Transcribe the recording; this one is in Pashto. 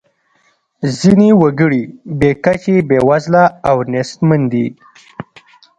ځینې وګړي بې کچې بیوزله او نیستمن دي.